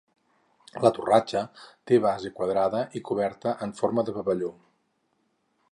La torratxa té base quadrada i coberta en forma de pavelló.